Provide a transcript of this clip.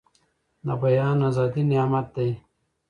د بيان ازادي نعمت دی.